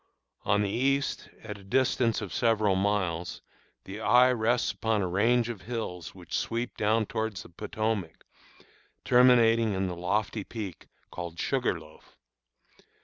On the east, at a distance of several miles, the eye rests upon a range of hills which sweep downward toward the Potomac, terminating in the lofty peak called Sugarloaf.